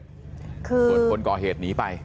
ส่วนคนก่อเหตุหนีไป